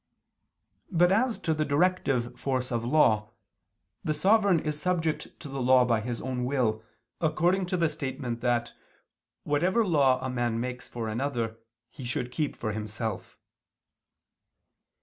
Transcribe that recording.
But as to the directive force of law, the sovereign is subject to the law by his own will, according to the statement (Extra, De Constit. cap. Cum omnes) that "whatever law a man makes for another, he should keep himself.